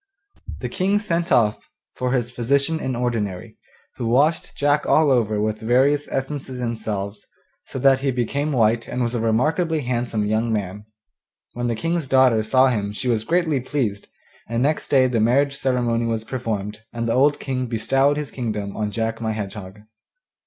The King sent off for his physician in ordinary, who washed Jack all over with various essences and salves, so that he became white and was a remarkably handsome young man. When the King's daughter saw him she was greatly pleased, and next day the marriage ceremony was performed, and the old King bestowed his kingdom on Jack my Hedgehog.